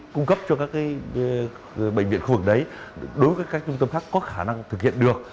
cung cấp cho các bệnh viện khu vực đấy đối với các trung tâm khác có khả năng thực hiện được